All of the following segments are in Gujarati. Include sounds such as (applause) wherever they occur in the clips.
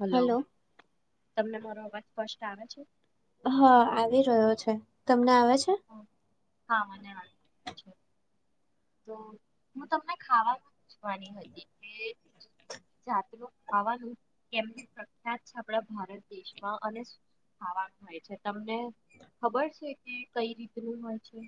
હલો. તમને મારો અવાજ સ્પષ્ટ આવે છે? હા આવી રહ્યો છે. તમને આવે છે? હા મને આવી રહ્યા છે. તો હું તમને ખાવાનું પૂછવાની હતી કે જુદી જુદી જાતનું ખાવાનું કેમનું પ્રખ્યાત છે આપડા ભારત દેશમાં અને શું શું ખાવાનું હોય છે તમને ખબર છે કે કઈ રીતનું હોય છે?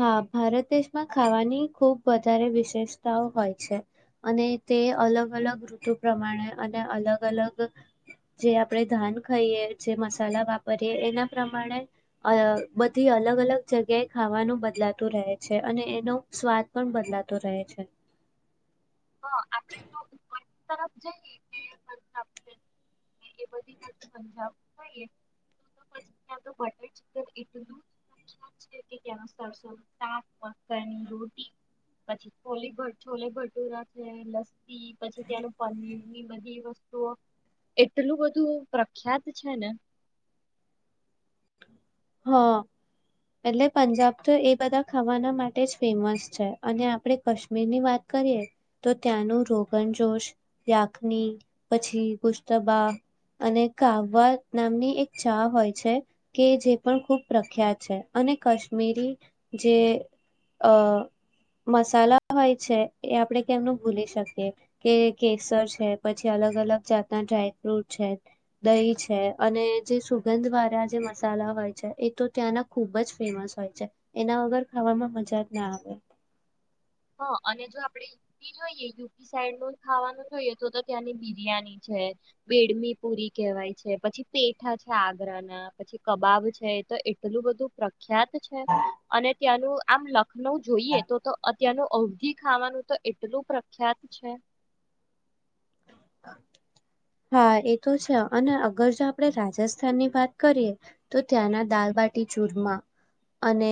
હા ભારત દેશમાં ખાવાની ખુબ વધારે વિશેષતાઓ હોય છે. અને તે અલગ અલગ ઋતુ પ્રમાણે અને અલગ અલગ જે આપણે ધાન ખઈએ જે મસાલા વાપરીએ એના પ્રમાણે અ બધી અલગ અલગ જગ્યાએ ખાવાનું બદલાતું રહે છે. અને એનો સ્વાદ પણ બદલાતો રહે છે. હ આપણેે તો ઉપર તરફ જઈએ તે (inaudible) હા યે તો તો પછી ત્યાં બટર ચિકન એ બધું પ્રખ્યાત છે ત્યાં સરસોનું શાક મકાઈ ની રોટી પછી છોલે ભટુ છોલે ભટુરા જે લસ પી પછી ત્યાંનું પનીર ની બધી વસ્તુ તો એટલું બધું પ્રખ્યાત છે ને હહ એટલે પંજાબ તો એ બધા ખાવાના માટે જ ફેમસ છે. અને આપણે કશ્મીરની વાત કરીએ તો ત્યાંનું રોગન જોશ, યાખની પછી ગુશ્તબા અને કાવવા નામની એક ચા હોય છે કે જે પણ ખૂબ પ્રખ્યાત છે. અને કશ્મીરી જે અ મસાલા હોય છે એ આપણે કેમનું ભૂલી શકીએ કે કેસર છે પછી અલગ અલગ જાતના ડ્રાયફ્રૂટ છે દહી છે અને જે સુગંધ વાળા જે મસાલા હોય છે એ તો ત્યાંના ખુબ જ ફેમસ હોય છે. એના વગર ખાવામાં મજા જ ના આવે. હહ અને જો આપડે યુપી જોઈએ યુપી સાઈડ નું ખાવાનું જોઈએ તો તો ત્યાંની બિરિયાની છે બેડમી પુરી કહેવાય છે પછી પેઠા છે આગ્રાના પછી કબાબ છે તો એટલું બધું પ્રખ ખ્યાત છે અને ત્યાંનું આમ લક નવું જોઈએ તો તો અ ત્યાંનું અવગી ખાવાનું તો એટલું પ્રખ્યાત છે. હા એ તો છે અને અગર જો આપણેે રાજસ્થાનની વાત કરીએ તો ત્યાંના દાલબાટી ચુરમા અને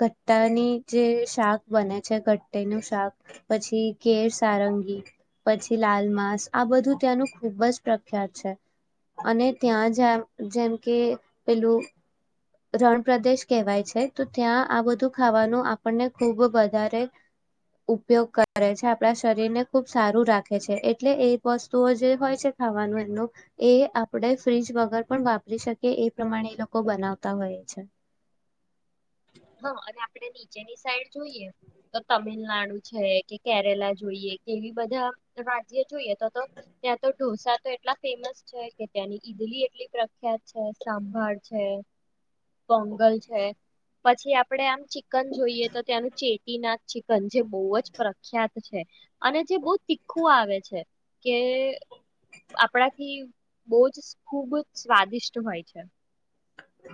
ઘટ્ટાની જે શાક બને છે ઘટ્ટી નું શાક પછી કેેર સારંગી પછી લાલમાંસ આ બધું ત્યાંનું ખૂબ જ પ્રખ્યાત છે. અને ત્યાં જ જેમ કે પેલું રણ પ્રદેશ કહેવાય છે તો ત્યાં આ બધું ખાવાનું આપણને ખૂબ વધારે ઉપયોગ કરે છે આપણા શરીરને ખૂબ સારું રાખે છે એટલે એ વસ્તુઓ જે હોય છે ખાવાનું એમનું એ આપણે ફ્રીઝ વગર પણ વાપરી શકીએ એ પ્રમાણે એ લોકો બનાવતા હોય છે. જેની સાઈડ જોઈએ તો તમિલનાડુ છે કે કેરેલા જોઈએ કેવી બધા રાજ્ય જોઈએ. ત્યાં તો ઢોસા તો એટલા ફેમસ છે કે ત્યાંની ઈદલી એટલી પ્રખ્યાત છે સાંભળ છે. પંગલ છે પછી આપડે આમ ચી કન જોઈએ તો ત્યાંનું ચેટ તિના ચિકન જે બહુ જ પ્રખ્યાત છે અને જે બહ તીખું આવે છે કે આપણાથી બહ જ ખૂબ સ્વાદિષ્ટ હોય છે.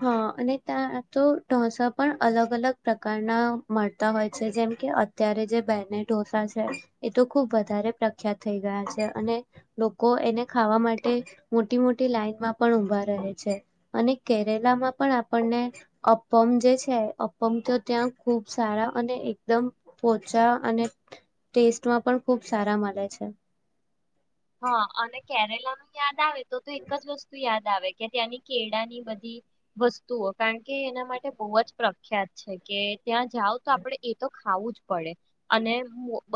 હા અને ત્યાં તો ઢોસા પણ અલગ અલગ પ્રકારના મળતા હોય છે જેમ કે અત્યારે જે બેહેને ઢોસા છે એ તો ખુબ વધારે પ્રખ્યાત થઈ ગયા છે અને લોકો એને ખાવા માટે મોટી મોટી લાઈનમાં પણ ઊભા રહે છે અને કેરેલામાં પણ આપણને અપ્પમ જે છે અપ્પમ તો ત્યાં ખુબ સારા અને એકદમ પોચા અને ટેસ્ટમાં પણ ખુબ સારા મળે છે. હા અને કેરેલા નું યાદ આવે. તો તો એક જ વસ્તુ યાદ. આવે કે ત્યાં. કેળાની બધી વસ્તુઓ કારણ કે એના માટે બહુ જ પ્રખ્યાત છે કે ત્યાં જાઓ તો આપડે એ તો ખાવું જ પડે અને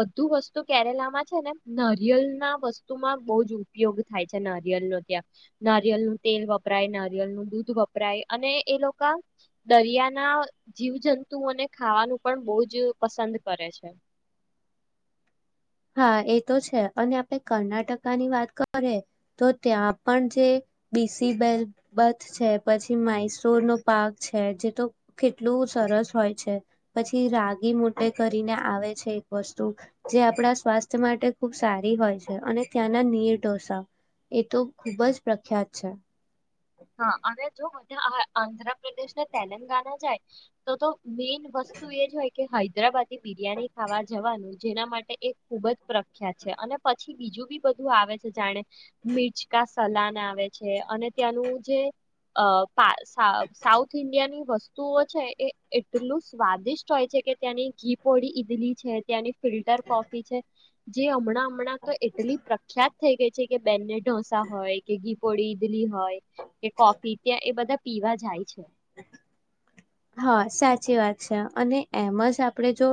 બધું વસ્તુ કેરેલામાં છે ને નરિયલ ના વસ્તુ વતુમાં બહુ જ ઉપયોગ થાય છે નરિયલ ન ત્યાં નરિયળનું તેલ વપરાય નરિયલનું દૂધ વપરાય અને એ લોકો દરિયાના જીવજંતુને ખાવાનું પણ બહુ જ પસંદ કરે છે. હા એ તો છે અને આપે કર્ણાટકાની વાત કરીએ તો ત્યાં પણ જે બીસીબલ બથ છે પછી મઇસુર નો પાક છે જે તો કેટલું સરસ હોય છે પછી રાગી મોટે કરીને આવે છે એક વસ્તુ જે આપણા સ્વાસ્થ્ય માટે ખૂબ સારી હોય છે અને ત્યાંના નીર ઢોસા એ તો ખૂબ જ પ્રખ્યાત છે. હા અને જો બધા આંધ્રપ્રદેશ ને તેલંગાના જાય તો તો મેઈન વસ્તુ એ જ હોય કે હૈદરાબાદ બિરિયાની ખાવા જવાનું. જેના માટે એ ખુબ જ પ્રખ્યાત છે અને પછી બીજું બી બધું આવે છે જાણે મિરચકા સલાન આવે છે અને ત્યાંનું જે અ સાઉથ ઇન્ડિયન ની વસ્તુ વતુ છે એ એટલું સ્વાદિષ્ટ હોય છે કે ત્યાંની ઘીપોળી ઈડલી છે ત્યાંની ફિલ્ટર કોફી છે જે હમણાં હમણાં તો એટલી પ્રખ્યાત થઈ ગઈ છે કે બેને ઢોસા હોય કે ગી પડી દલી હોય. કે કોફી ત્યાં એ બધા. પીવા જાય છે. હ. (unintelligible) હા સાચી વાત છે અને એમ જ આપણે જો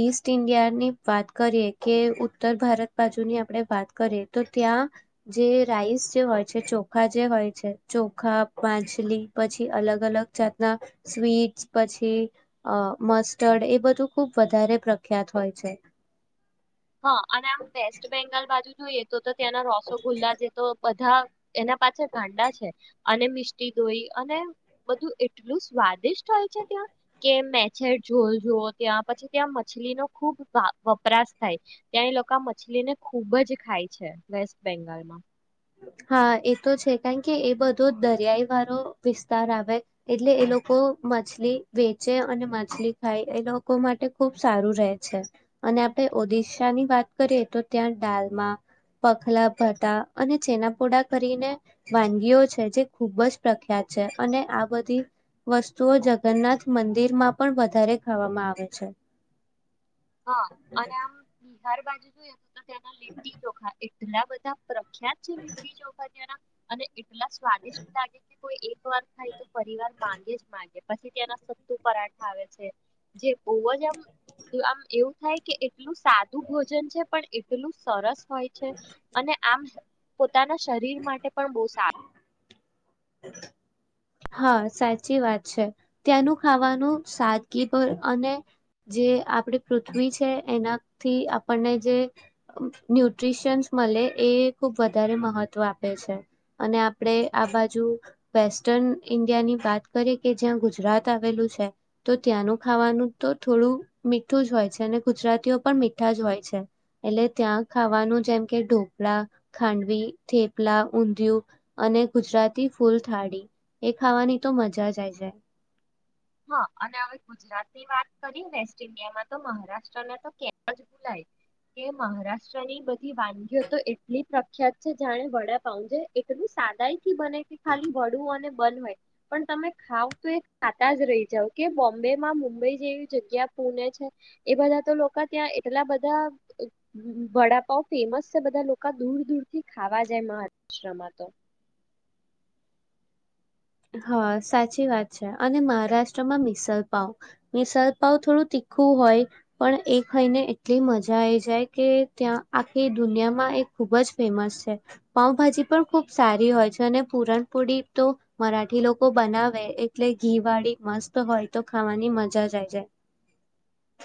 ઈસ્ટ ઇન્ડિયાની વાત કરીએ કે ઉત્તર ભારત બાજુની આપણે વાત કરીએ તો ત્યાં જે રાઈસ જે હોય છે ચોખા જે હોય છે ચોખા માછલી પછી અલગ અલગ જાતના. સ્વીટ્સ પછી અ મસ્ટર્ડ એ બધું ખુબ વધારે પ્રખ્યાત હોય છે. હા અને આમ વેસ્ટ બેંગાલ બાજુ જોઈએ તો. ત્યાંના રોસો ગુલ્લા જે તો બ. ા એના પાછળ ગાંડા છે અને મિસ્ટી દોઈ અને બધું એટલું સ્વાદિષ્ટ હોય છે ત્યાં કે મેર જોલ જો ત્યાં પછી ત્યાં મછલી નો ખુબ વપરાશ. થાય ત્યાં એ લોકો આ મછલી ને ખુબ જ ખાય છે વેસ્ટ બેંગાલમાં. હા એ તો છે કારણ કે એ બધો દરિયાઈ વાળો વિસ્તાર આવે એટલે એ લોકો મછલી વેચે અને માછલી ખાય એ લોકો માટે ખુબ સારું રહે છે અને આપડ ઓડિશાની વાત કરીએ તો ત્યાં ડાલમાં પખલા ભટા. અને ચેનાપોડા કરીને વાનગીઓ છે જે ખૂબ જ પ્રખ્યાત છે અને આ બધી વસ્તુઓ જગન્નાથ મંદિરમાં પણ વધારે ખાવામાં આવે છે. હા અને આમ બિહાર બાજુ. ત લીટીખા એટલા બધા. સુખ્યાત છે લીી જોના. અને એટલા સ્વાદિષ્ટ લાગે કે કોઈ એક વાર ખાય તો. પરિવાર માંગે જ મા. પછી ત્યાના સત્તુ પરાઠા આવે છે જેજ આમ આમ. એવું થાય કે એટલું સાદું ભોજન છે પણ એટલું સરસ. હોય છે અને આમ. પોતાના શરીર માટે પણ બહુ સારું. હટ (unintelligible) હા સાચી વાત છે ત્યાંનું ખાવાનું સાદગી પર અને જે આપડી પૃથ્વી છે એનાથી આપણને જે ન્યુટ્રીિશિયન્સ મળે એ ખુબ વધારે મહત્વ આપે છે અને આપણે આ બાજુ વસ્ટ. સ્ટન ઇન્ડિયા ની વાત કરીએ કે જ્યાં ગુજરાત આવેલું છે તો ત્યાંનું ખાવાનું તો થોડું મીઠું જ હોય છે અને ગુજરાતીઓ પણ મીઠા જ હોય છે એટલે ત્યાં ખાવાનું જેમ કે ઢોપળા ખાંડવી થેપલા ઊંધિયું અને ગુજરાતી ફૂલ થાળી. એ ખાવાની તો મજા જાય જ. હા અને હવે ગુજરાત ની વાત કરી વેસ્ટ ઇન્ડિયામાં તો મહારાષ્ટ્ર તો કે ભુલાય કે મહારાષ્ટ્રની બધી વાનગીઓ તો એટલી પ્રખ્યાત છે જાણે વડાપ છે એટલું સાદા થી બને કે ખાલી વળવું અને બન હોય પણ તમે ખાવ તો. જ રહી જાવ કે બોમ્બે માં મુંબઈ જેવી જગ્યા પુણે છે એ બધા તો લોકો ત્યાં એટલા બધા વડાપા ફેમસ છે બધા લોકો દૂર દૂરથી ખાવા જાય મહારાષ્ટ્રમાં તો. હા સાચી વાત છે અને મહારાષ્ટ્રમાં મિસલપાવ મિસલપાવ થોડું તીખું હોય પણ એ થઈને એટલી મજા આવીઈ જાય કે ત્યાં આખી દુનિયામાં એ ખૂબ જ ફેમસ છે પાઉભાજી પણ ખૂબ સારી હોય છે અને પુરણપોડી તો. મરાઠી લોકો બનાવે એટલે ઘીવાળી મસ્ત હોય તો ખાવાની મજા જઈ જાય.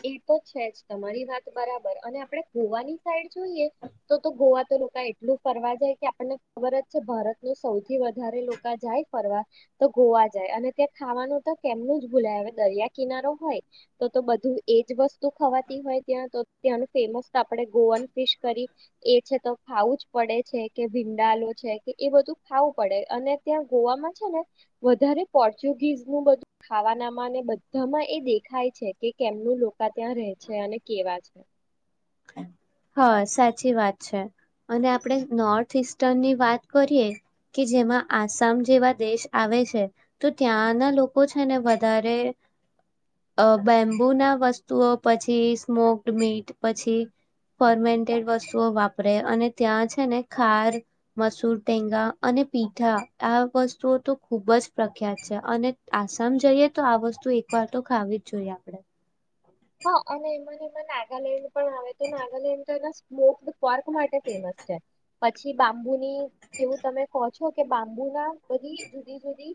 એ તો છે જ તમારી વાત બરાબર અને આપણે ગોવાની સાઈડ જોઈએ તો તો ગોવા તો લોકો એટલું ફરવા જાય કે આપણને ખબર જ છે ભારત ન સૌથી વધારે લોકો જાય ફરવા તો ગોવા જાય અને ત્યાં ખાવાનું તો કેમનું જ ભૂલાય આવે દરિયા કિનારો હોય તો તો બધું. એજ વસ્તુ ખવાતી હોય ત્યાં તો ત્યાંનું ફેમસ આપણે ગોવન ફીશ કરી એ છે તો ખાવું જ પડે છે કે ભીંડાાલ છે કે એ બધું ખાવું પડે અને ત્યાં ગોવામાં છે ને વધારે પોર્ચુગીઝ નું બધું ખાવાનામાં બધામાં એ દેખાય છે કેમ. લોકોકા ત્યાં રે છે અને કેવા છે. હા સાચી વાત છે અને આપણે નોર્થ ઇસ્ટર્નની વાત કરીએ કે જેમાં આસામ જેવા દેશ આવે છે તો ત્યાંના લોકો છે ને વધારે બેમ્બુ ના વસ્તુઓ પછી સ્મોક્ડ મીટ પછી. ફર્મેન્ટેડ વસ્તુઓ વાપરે અને ત્યાં છે ને ખાર મસૂર ટેંગા અને પીઠા આ વસ્તુઓ તો ખૂબ જ પ્રખ્યાત છે અને આસામ જઈએ તો આ વસ્તુ એક વાર તો ખાવી જ જોઈએ આપણે. હા અને એમાં ને નાગાલેન્ડ પણ આવે તો નાગાલેન્ડ તો એના સ્મોક. પર્ક માટે ફેમસ છે. પછી બાંબુની જેવું તમે કહો છો કે બાંબુ ના બધી જુદી જુદી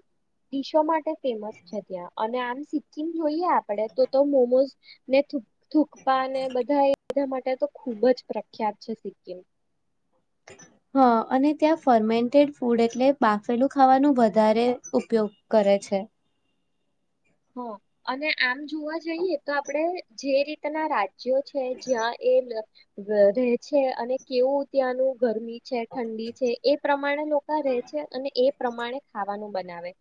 િશો માટે ફેમસ છે ત્યાં અને આમ સિક્કિમ જોઈએ આપ. પડે તો મોમોઝ. ને થૂકપા ને બધા એ બધા માટે તો ખૂબ જ પ્રખ્યાત છે સિક્િમ. હા અને ત્યાં ફર્મેન્ટેડ ફૂડ એટલે બાફેલું ખાવાનું વધારે ઉપયોગ કરે છે. હ અને આમ જોવા જઈએ તો આપણે જે રીતના રાજ્યો છે જ્યાં એ રહે છે અને કેવું ત્યાંનું ગરમી છે ઠંડી છે એ પ્રમાણે લોકો રહે છે અને એ પ્રમાણે ખાવાનું બનાવે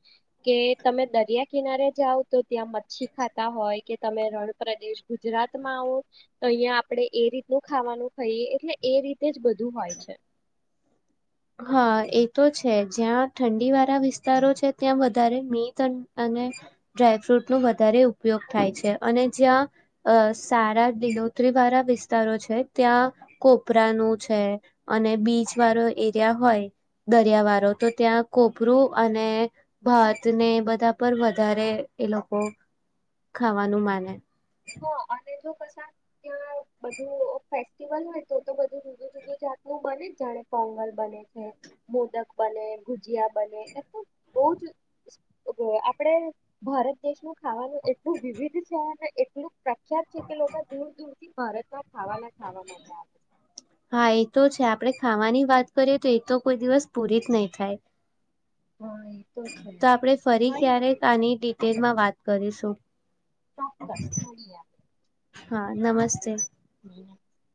કે તમે દરિયા કિનારે. જાઓ તો ત્યાં મચ્છી ખાતા હોય કે તમે રણ પ્રદેશ ગુજરાતમાં આવો તો અહિયાં આપણે એ રીતનું ખાવાનું ખાઈએ એટલે એ રીતે જ બધું હોય છે. હા એ તો છે જ્યાં ઠંડી વારા વિસ્તારો છે ત્યાં વધારે મી ત અને ડ્રાયફ્રૂટ નો વધારે ઉપયોગ થાય છે અને જ્યાં અ સારા દિલોતરી વાળા વિસ્તારો છે ત્યાં કોપરાનું છે અને બીચ વાળો એ ત્યા હોય દરિયા વારો તો ત્યાં કોપરું અને ભાત ને બધા પર વધારે એ લોકો ખાવાનું માને. હા અને જો કશાક ત્યાં બધું ફેસ્ટિવલ હોય તો તો બધું જુદું જુદું જાતનું બને જ જાણે પોંગલ બને છે મોદક બને ગુજીયા બને એટલ બો જ આપડે ભારત દેશમાં ખાવાનું એટલું વિવિધ છે. એટલુ પ્રખ્યાત છે કે લોકો દૂર દૂર થી ભારત માં ખાવા લાગ હા એ તો છે આપડે ખાવાની વાત કરીએ તો એ તો કોઈ દિવસ પૂરી જ નહી થાય. હા એ છે. તો જ. આપડે ફરી કઈ ક્યારેક નઈ આની ડિટેલમાં વાત કરીશું. ચોક્કસ મળિયા. હા નમસ્તે. (inaudible)